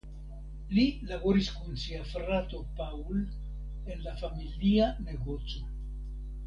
Li laboris kun sia frato Paul en la familia negoco.